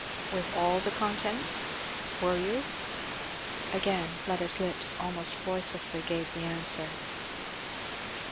with all the contents? were you?" Again Fleda's lips almost voicelessly gave the answer.